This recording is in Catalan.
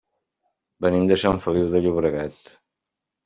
Venim de Sant Feliu de Llobregat.